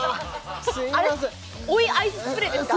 すいません追いアイススプレーですか？